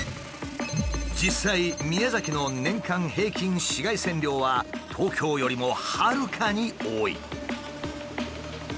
実際宮崎の年間平均紫外線量は東京よりもはるかに多い。